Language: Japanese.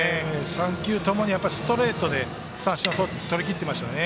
３球ともストレートで三振をとりきっていましたね。